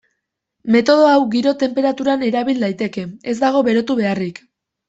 Metodo hau giro tenperaturan erabil daiteke, ez dago berotu beharrik.